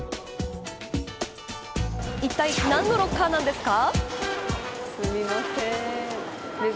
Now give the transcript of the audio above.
いったい何のロッカーなんですか。